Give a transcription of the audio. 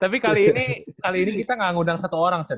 tapi kali ini kali ini kita gak ngundang satu orang cen